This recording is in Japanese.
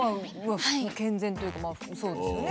健全というかそうですよね。